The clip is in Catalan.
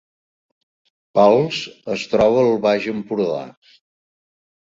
Pals es troba al Baix Empordà